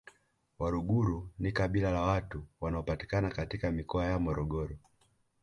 Waluguru ni kabila la watu wanaopatikana katika Mikoa ya Morogoro